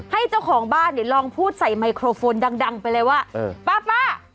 เจ้าของบ้านเนี่ยลองพูดใส่ไมโครโฟนดังไปเลยว่าเออป้า